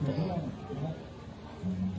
สวัสดีทุกคน